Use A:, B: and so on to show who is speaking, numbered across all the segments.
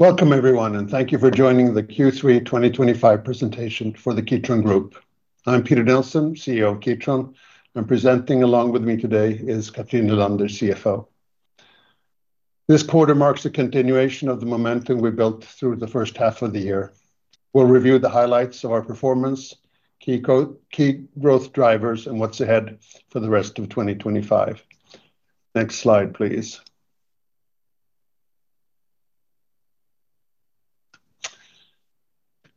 A: Welcome, everyone, and thank you for joining the Q3 2025 presentation for the Kitron Group. I'm Peter Nilsson, CEO of Kitron, and presenting along with me today is Cathrin Nylander, CFO. This quarter marks a continuation of the momentum we built through the first half of the year. We'll review the highlights of our performance, key growth drivers, and what's ahead for the rest of 2025. Next slide, please.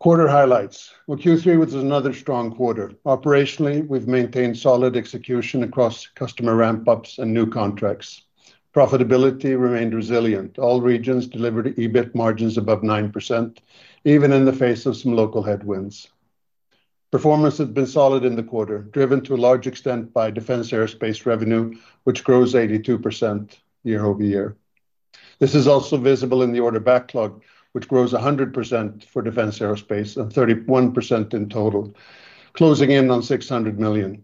A: Quarter highlights. Q3 was another strong quarter. Operationally, we've maintained solid execution across customer ramp-ups and new contracts. Profitability remained resilient. All regions delivered EBIT margins above 9%, even in the face of some local headwinds. Performance has been solid in the quarter, driven to a large extent by defense aerospace revenue, which grows 82% year-over-year. This is also visible in the order backlog, which grows 100% for defense aerospace and 31% in total, closing in on 600 million.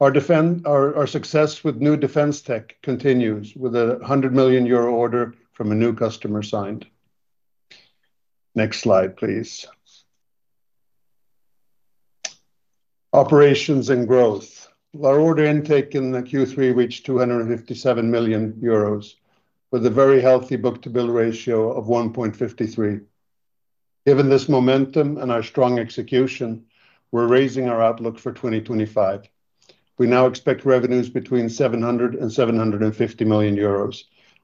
A: Our success with new defense tech continues with a NOK 100 million order from a new customer signed. Next slide, please. Operations and growth. Our order intake in Q3 reached NOK 257 million, with a very healthy book-to-bill ratio of 1.53. Given this momentum and our strong execution, we're raising our outlook for 2025. We now expect revenues between NOK 700 million-NOK 750 million,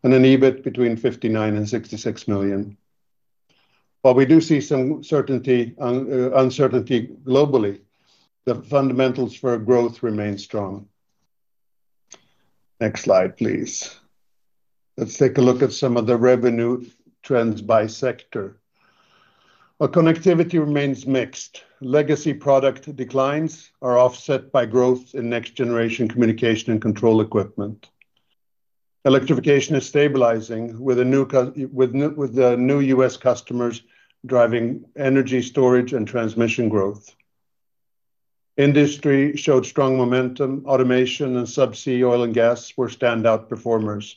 A: and an EBIT between 59 million-66 million. While we do see some uncertainty globally, the fundamentals for growth remain strong. Next slide, please. Let's take a look at some of the revenue trends by sector. Our connectivity remains mixed. Legacy product declines are offset by growth in next-generation communication and control equipment. Electrification is stabilizing with the new U.S. customers driving energy storage and transmission growth. Industry showed strong momentum. Automation and subsea oil and gas were standout performers,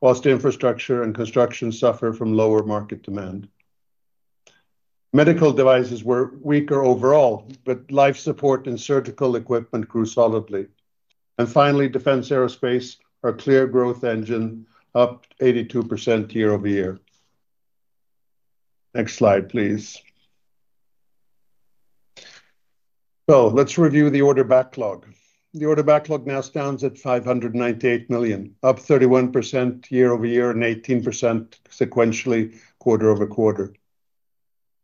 A: whilst infrastructure and construction suffer from lower market demand. Medical devices were weaker overall, but life support and surgical equipment grew solidly. Finally, defense aerospace, our clear growth engine, up 82% year-over-year. Next slide, please. Let's review the order backlog. The order backlog now stands at 598 million, up 31% year-over-year and 18% sequentially, quarter over quarter.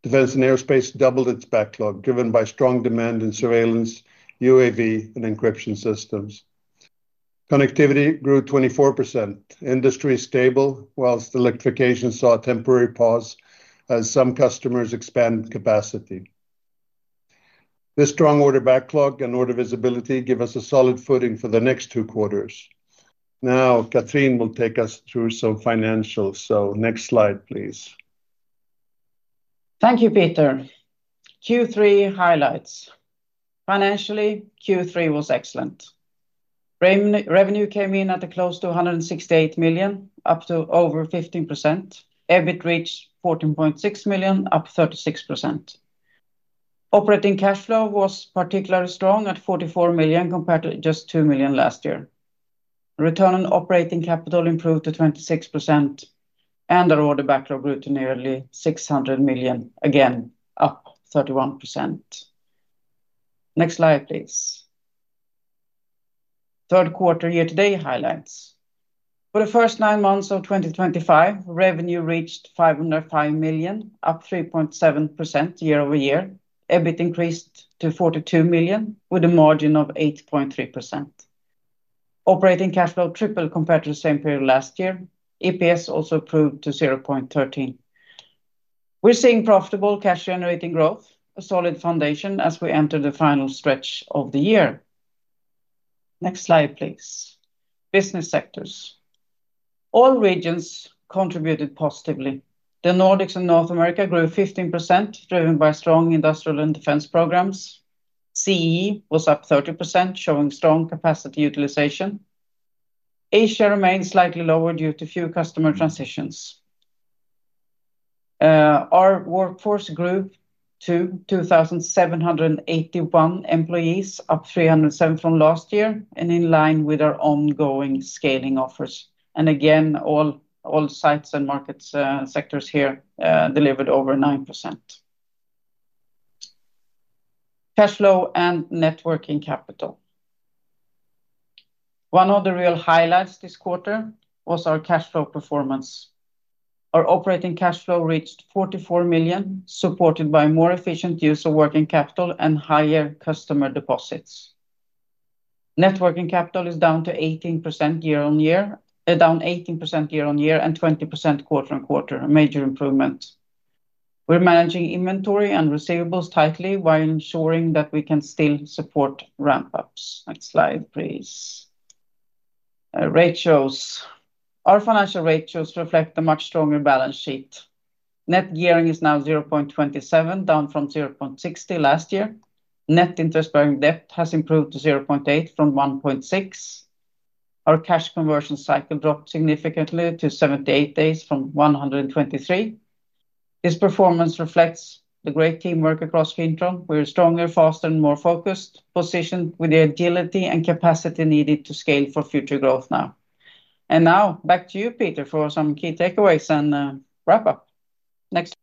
A: Defense aerospace doubled its backlog, driven by strong demand in surveillance, UAV, and encryption systems. Connectivity grew 24%. Industry is stable, whilst electrification saw a temporary pause as some customers expanded capacity. This strong order backlog and order visibility give us a solid footing for the next two quarters. Now, Cathrin will take us through some financials. Next slide, please.
B: Thank you, Peter. Q3 highlights. Financially, Q3 was excellent. Revenue came in at close to 168 million, up over 15%. EBIT reached 14.6 million, up 36%. Operating cash flow was particularly strong at 44 million compared to just 2 million last year. Return on operating capital improved to 26%, and our order backlog grew to nearly 600 million, again up 31%. Next slide, please. Third quarter year-to-date highlights. For the first nine months of 2025, revenue reached 505 million, up 3.7% year-over-year. EBIT increased to 42 million with a margin of 8.3%. Operating cash flow tripled compared to the same period last year. EPS also improved to 0.13. We're seeing profitable cash-generating growth, a solid foundation as we enter the final stretch of the year. Next slide, please. Business sectors. All regions contributed positively. The Nordics and North America grew 15%, driven by strong industrial and defense programs. CEE was up 30%, showing strong capacity utilization. Asia remains slightly lower due to a few customer transitions. Our workforce grew to 2,781 employees, up 307 from last year, and in line with our ongoing scaling efforts. All sites and market sectors here delivered over 9%. Cash flow and net working capital. One of the real highlights this quarter was our cash flow performance. Our operating cash flow reached 44 million, supported by more efficient use of working capital and higher customer deposits. Net working capital is down 18% year-on-year, and 20% quarter on quarter, a major improvement. We're managing inventory and receivables tightly while ensuring that we can still support ramp-ups. Next slide, please. Ratios. Our financial ratios reflect a much stronger balance sheet. Net gearing is now 0.27, down from 0.60 last year. Net interest-bearing debt has improved to 0.8 from 1.6. Our cash conversion cycle dropped significantly to 78 days from 123. This performance reflects the great teamwork across Kitron. We are stronger, faster, and more focused, positioned with the agility and capacity needed to scale for future growth now. Now, back to you, Peter, for some key takeaways and wrap-up. Next.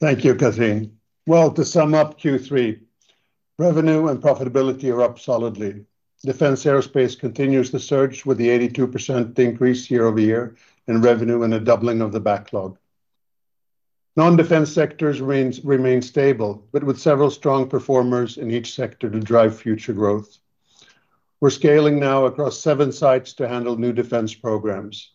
A: Thank you, Cathrin. To sum up Q3, revenue and profitability are up solidly. Defense aerospace continues to surge with the 82% increase year over year in revenue and a doubling of the backlog. Non-defense sectors remain stable, with several strong performers in each sector to drive future growth. We're scaling now across seven sites to handle new defense programs.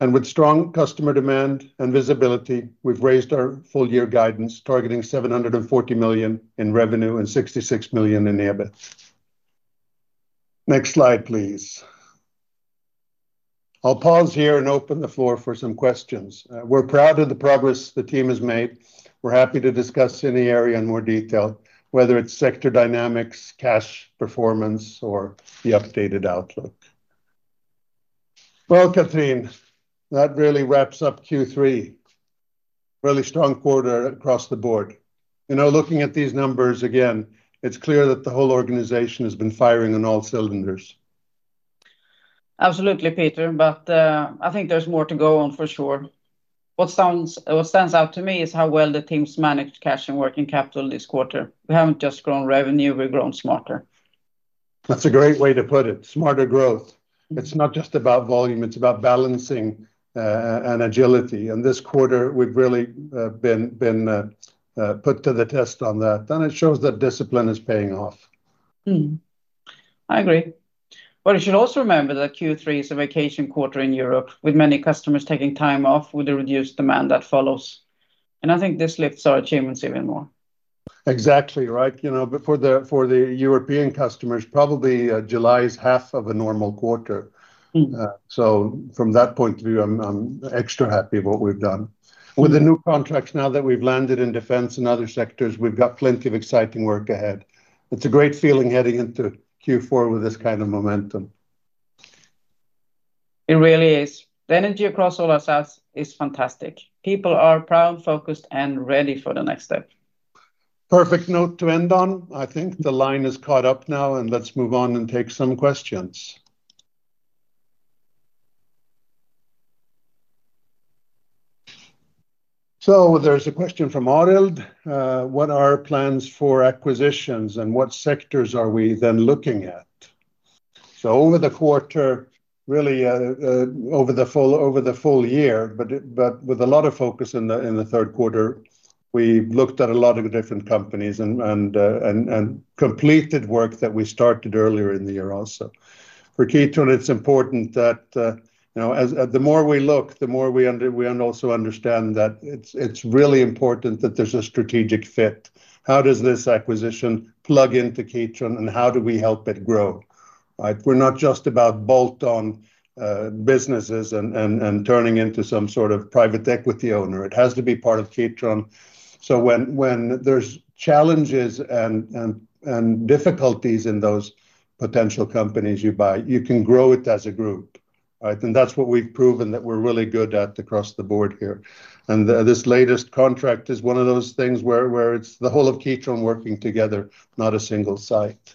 A: With strong customer demand and visibility, we've raised our full-year guidance, targeting 740 million in revenue and 66 million in EBIT. Next slide, please. I'll pause here and open the floor for some questions. We're proud of the progress the team has made. We're happy to discuss any area in more detail, whether it's sector dynamics, cash performance, or the updated outlook. Cathrin, that really wraps up Q3. Really strong quarter across the board. Looking at these numbers again, it's clear that the whole organization has been firing on all cylinders.
B: Absolutely, Peter, I think there's more to go on for sure. What stands out to me is how well the teams managed cash and net working capital this quarter. We haven't just grown revenue, we've grown smarter.
A: That's a great way to put it, smarter growth. It's not just about volume, it's about balancing and agility. This quarter, we've really been put to the test on that, and it shows that discipline is paying off.
B: I agree. We should also remember that Q3 is a vacation quarter in Europe, with many customers taking time off with the reduced demand that follows. I think this lifts our achievements even more.
A: Exactly, right? You know, for the European customers, probably July is half of a normal quarter. From that point of view, I'm extra happy with what we've done. With the new contracts now that we've landed in defense and other sectors, we've got plenty of exciting work ahead. It's a great feeling heading into Q4 with this kind of momentum.
B: It really is. The energy across all our sites is fantastic. People are proud, focused, and ready for the next step.
A: Perfect note to end on. I think the line is caught up now, and let's move on and take some questions. There's a question from [Arild]. What are plans for acquisitions, and what sectors are we then looking at? Over the quarter, really over the full year, but with a lot of focus in the third quarter, we've looked at a lot of different companies and completed work that we started earlier in the year also. For Kitron, it's important that, you know, the more we look, the more we also understand that it's really important that there's a strategic fit. How does this acquisition plug into Kitron, and how do we help it grow? We're not just about bolt-on businesses and turning into some sort of private equity owner. It has to be part of Kitron. When there's challenges and difficulties in those potential companies you buy, you can grow it as a group. That's what we've proven that we're really good at across the board here. This latest contract is one of those things where it's the whole of Kitron working together, not a single site.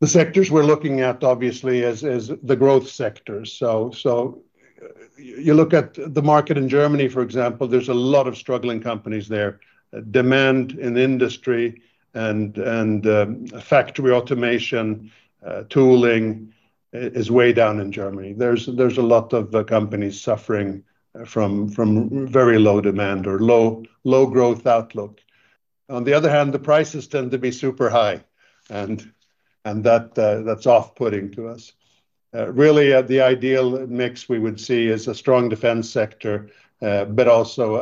A: The sectors we're looking at, obviously, is the growth sectors. You look at the market in Germany, for example, there's a lot of struggling companies there. Demand in industry and factory automation, tooling is way down in Germany. There's a lot of companies suffering from very low demand or low growth outlook. On the other hand, the prices tend to be super high, and that's off-putting to us. Really, the ideal mix we would see is a strong defense sector, but also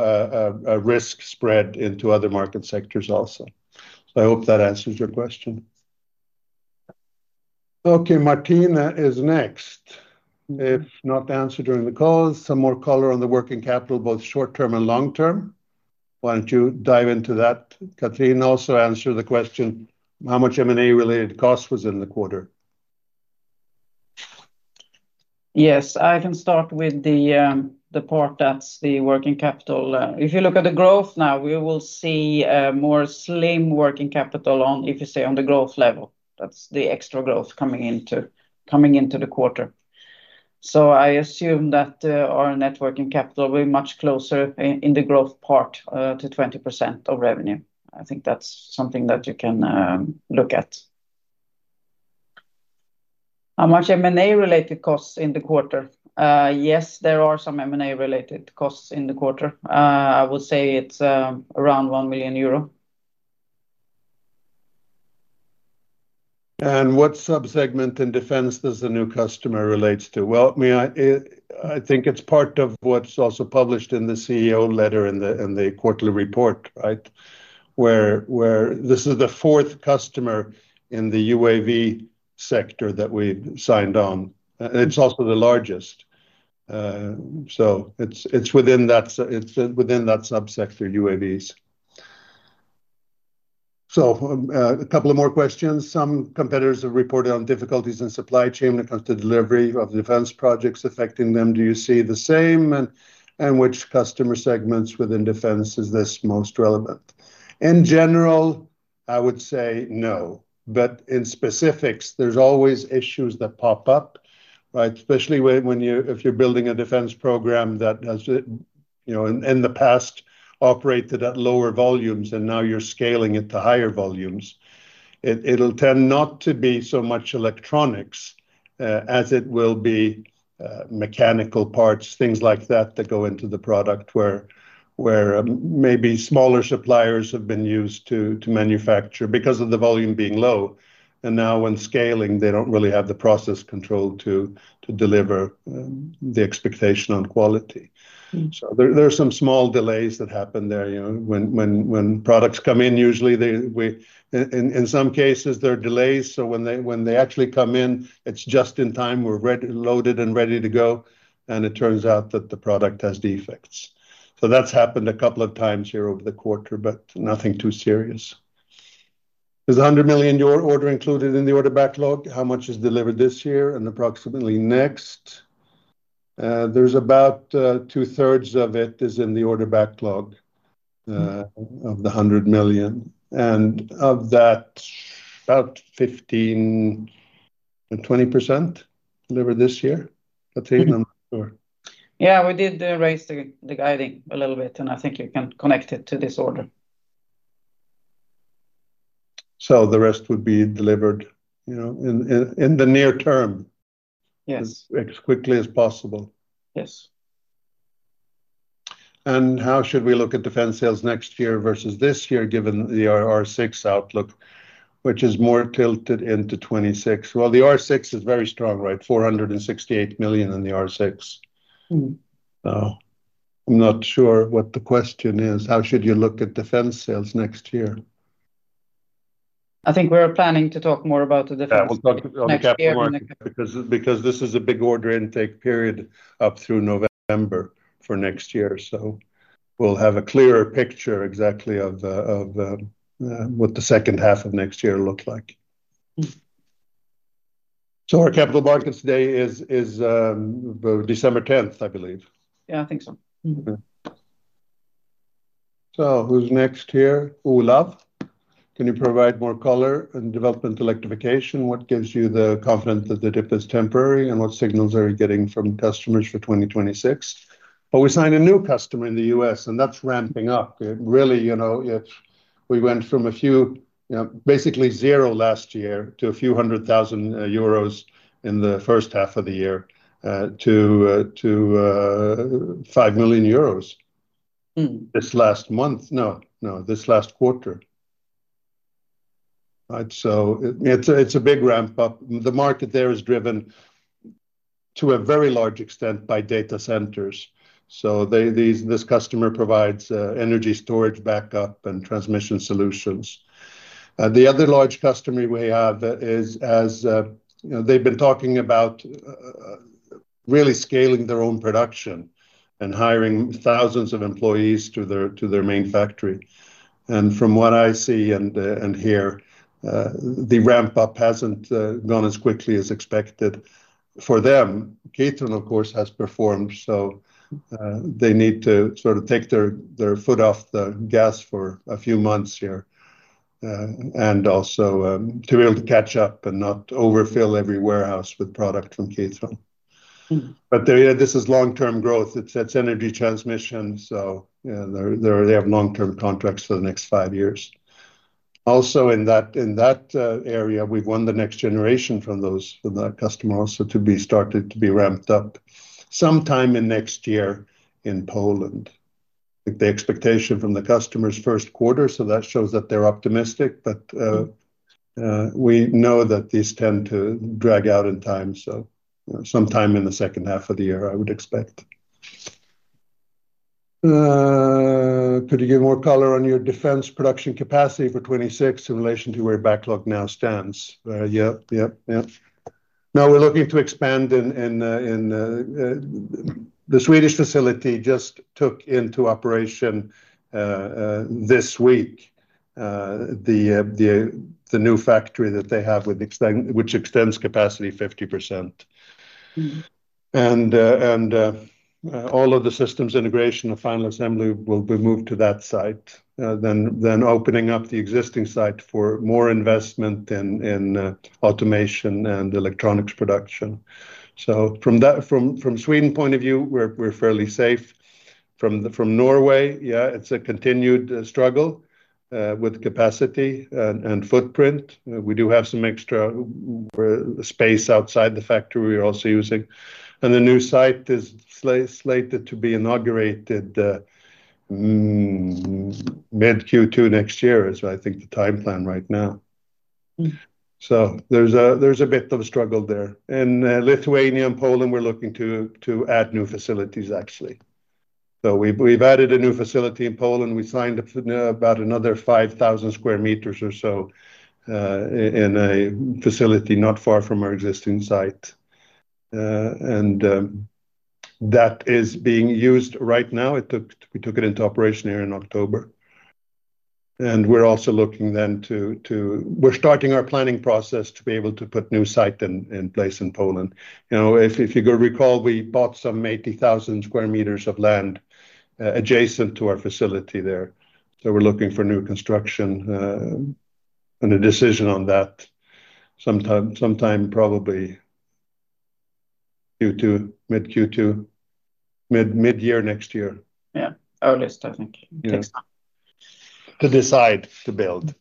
A: a risk spread into other market sectors also. I hope that answers your question. [Martina] is next. If not answered during the call, some more color on the net working capital, both short-term and long-term. Why don't you dive into that? Cathrin also answered the question, how much M&A-related cost was in the quarter?
B: Yes, I can start with the part that's the working capital. If you look at the growth now, we will see more slim working capital on, if you say, on the growth level. That's the extra growth coming into the quarter. I assume that our net working capital will be much closer in the growth part to 20% of revenue. I think that's something that you can look at. How much M&A-related costs in the quarter? Yes, there are some M&A-related costs in the quarter. I would say it's around NOK 1 million.
A: What subsegment in defense does the new customer relate to? I think it's part of what's also published in the CEO letter in the quarterly report, right? This is the fourth customer in the UAV sector that we signed on. It's also the largest. It's within that subsector, UAVs. A couple of more questions. Some competitors have reported on difficulties in supply chain when it comes to delivery of defense projects affecting them. Do you see the same? Which customer segments within defense is this most relevant? In general, I would say no. In specifics, there's always issues that pop up, right? Especially if you're building a defense program that has, you know, in the past operated at lower volumes and now you're scaling it to higher volumes, it will tend not to be so much electronics as it will be mechanical parts, things like that that go into the product where maybe smaller suppliers have been used to manufacture because of the volume being low. Now when scaling, they don't really have the process control to deliver the expectation on quality. There are some small delays that happen there. When products come in, usually in some cases, there are delays. When they actually come in, it's just in time, we're loaded and ready to go, and it turns out that the product has defects. That's happened a couple of times here over the quarter, but nothing too serious. Is the 100 million order included in the order backlog? How much is delivered this year and approximately next? There's about 2/3 of it in the order backlog of the 100 million. Of that, about 15% or 20% delivered this year? Cathrin, I'm not sure.
B: Yeah, we did raise the guiding a little bit, and I think you can connect it to this order.
A: The rest would be delivered, you know, in the near term.
B: Yes.
A: As quickly as possible.
B: Yes.
A: How should we look at defense sales next year versus this year, given the R6 outlook, which is more tilted into 2026? The R6 is very strong, right? 468 million in the R6. I'm not sure what the question is. How should you look at defense sales next year?
B: I think we're planning to talk more about the defense sales next quarter.
A: This is a big order intake period up through November for next year. We'll have a clearer picture exactly of what the second half of next year looks like. Our capital markets day is December 10th, I believe.
B: Yeah, I think so.
A: Who's next here? [Olaf]. Can you provide more color and development electrification? What gives you the confidence that the dip is temporary? What signals are you getting from customers for 2026? We signed a new customer in the U.S., and that's ramping up. Really, you know, we went from basically zero last year to a few hundred thousand euros in the first half of the year to NOK 5 million this last quarter. It's a big ramp-up. The market there is driven to a very large extent by data centers. This customer provides energy storage backup and transmission solutions. The other large customer we have is, as you know, they've been talking about really scaling their own production and hiring thousands of employees to their main factory. From what I see and hear, the ramp-up hasn't gone as quickly as expected for them. Kitron, of course, has performed, so they need to sort of take their foot off the gas for a few months here and also to be able to catch up and not overfill every warehouse with product from Kitron. This is long-term growth. It's energy transmission, so they have long-term contracts for the next five years. Also, in that area, we've won the next generation from that customer, also to be started to be ramped up sometime next year in Poland. I think the expectation from the customer is first quarter, so that shows that they're optimistic, but we know that these tend to drag out in time, so sometime in the second half of the year, I would expect. Could you give more color on your defense production capacity for 2026 in relation to where your backlog now stands? We're looking to expand in the Swedish facility, just took into operation this week the new factory that they have, which extends capacity 50%. All of the systems integration and final assembly will be moved to that site, then opening up the existing site for more investment in automation and electronics production. From Sweden's point of view, we're fairly safe. From Norway, it's a continued struggle with capacity and footprint. We do have some extra space outside the factory we're also using. The new site is slated to be inaugurated mid-Q2 next year, as I think the timeline right now. There's a bit of struggle there. In Lithuania and Poland, we're looking to add new facilities, actually. We've added a new facility in Poland. We signed up about another 5,000 sq m or so in a facility not far from our existing site. That is being used right now. We took it into operation here in October. We're also looking to start our planning process to be able to put a new site in place in Poland. If you recall, we bought some 80,000 sq m of land adjacent to our facility there. We're looking for new construction and a decision on that sometime, probably Q2, mid-Q2, mid-year next year.
B: Yeah, earliest, I think.
A: To decide to build,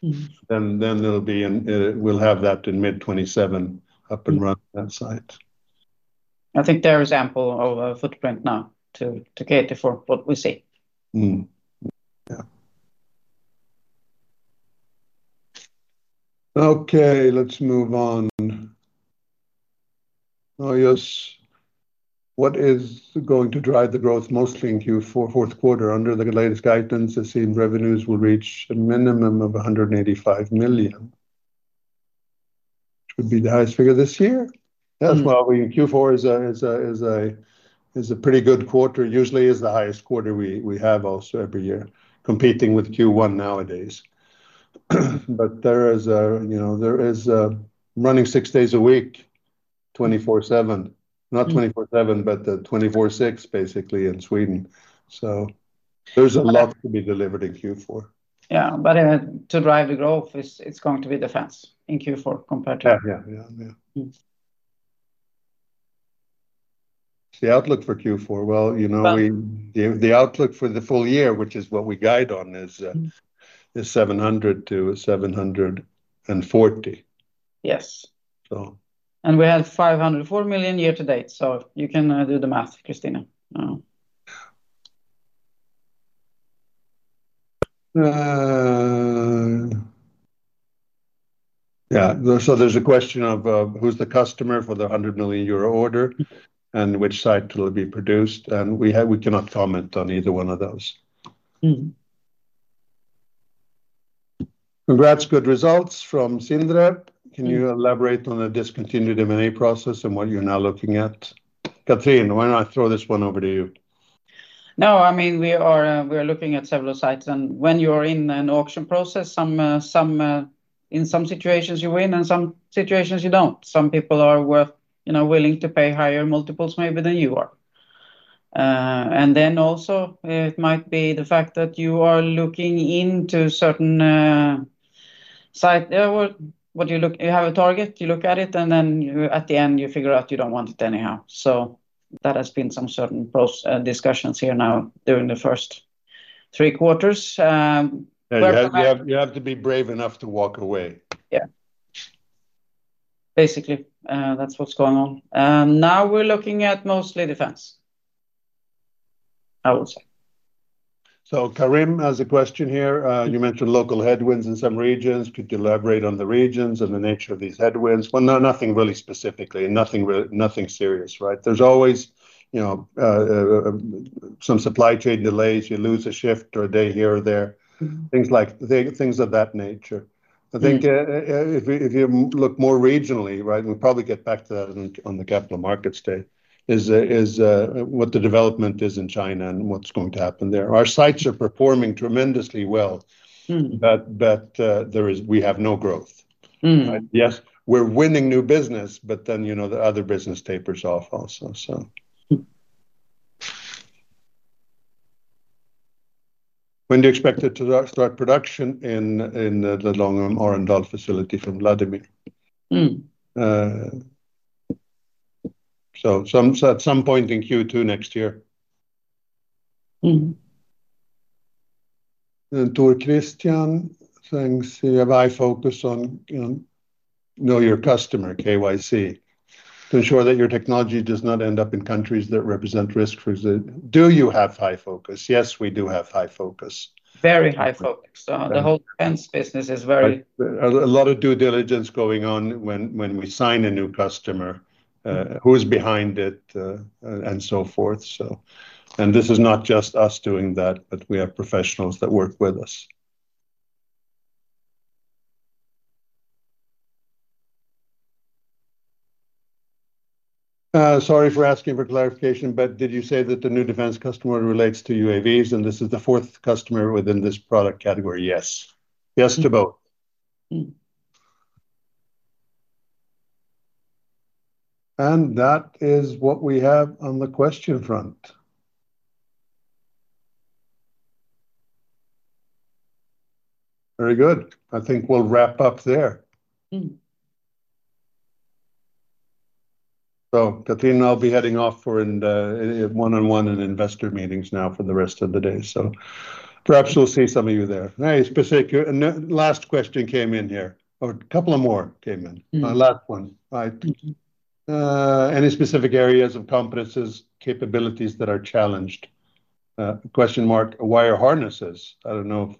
A: we'll have that in mid-2027, up and running that site.
B: I think there is ample footprint now to cater for what we see.
A: Okay, let's move on. Yes. What is going to drive the growth mostly in Q4, fourth quarter? Under the latest guidance, I see revenues will reach a minimum of 185 million. It would be the highest figure this year. That's why Q4 is a pretty good quarter. Usually, it's the highest quarter we have also every year, competing with Q1 nowadays. There is running six days a week, 24/7, not 24/7, but 24/6, basically, in Sweden. There's a lot to be delivered in Q4.
B: Yeah, to drive the growth, it's going to be defense in Q4 compared to.
A: The outlook for Q4, you know, the outlook for the full year, which is what we guide on, is 700 million-740 million.
B: Yes, we had 504 million year-to-date, so you can do the math, Kristina.
A: Yeah, so there's a question of who's the customer for the NOK 100 million order and which site will be produced, and we cannot comment on either one of those. Congrats, good results from [Sindre]. Can you elaborate on the discontinued M&A process and what you're now looking at? Cathrin, why don't I throw this one over to you?
B: No, I mean, we are looking at several sites, and when you are in an auction process, in some situations you win, and in some situations you don't. Some people are willing to pay higher multiples maybe than you are. It might be the fact that you are looking into certain sites. You have a target, you look at it, and at the end you figure out you don't want it anyhow. That has been some certain discussions here now during the first three quarters.
A: You have to be brave enough to walk away.
B: Yeah, basically, that's what's going on. Now we're looking at mostly defense, I would say.
A: Karim has a question here. You mentioned local headwinds in some regions. Could you elaborate on the regions and the nature of these headwinds? Nothing really specifically. Nothing serious, right? There's always, you know, some supply chain delays. You lose a shift or a day here or there, things like that, things of that nature. I think if you look more regionally, right, and we'll probably get back to that on the Capital Markets Day, is what the development is in China and what's going to happen there. Our sites are performing tremendously well, but we have no growth. Yes, we're winning new business, but then, you know, the other business tapers off also. When do you expect it to start production in the long-term Arendal facility from Vladimir? At some point in Q2 next year. And to Christian, thanks. You have high focus on, you know, know your customer, KYC, to ensure that your technology does not end up in countries that represent risks for you. Do you have high focus? Yes, we do have high focus.
B: Very high focus. The whole defense business is very.
A: A lot of due diligence going on when we sign a new customer, who's behind it, and so forth. This is not just us doing that, but we have professionals that work with us. Sorry for asking for clarification, but did you say that the new defense customer relates to UAVs, and this is the fourth customer within this product category? Yes. Yes to both. That is what we have on the question front. Very good. I think we'll wrap up there. Cathrin and I'll be heading off for one-on-one and investor meetings now for the rest of the day. Perhaps we'll see some of you there. Any specific last question came in here, or a couple of more came in. My last one. Any specific areas of competencies, capabilities that are challenged? Wire harnesses. I don't know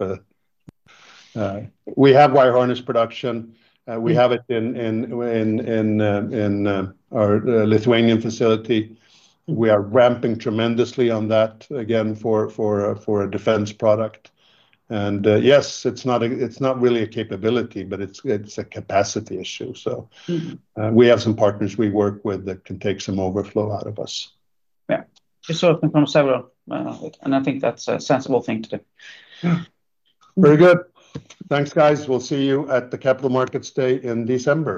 A: if we have wire harness production. We have it in our Lithuanian facility. We are ramping tremendously on that again for a defense product. It's not really a capability, but it's a capacity issue. We have some partners we work with that can take some overflow out of us.
B: Yeah, we're sorting from several and I think that's a sensible thing to do.
A: Very good. Thanks, guys. We'll see you at the Capital Markets Day in December.